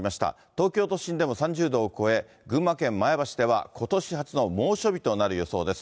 東京都心でも３０度を超え、群馬県前橋ではことし初の猛暑日となる予想です。